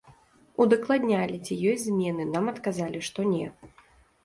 Удакладнялі, ці ёсць змены, нам адказалі, што не.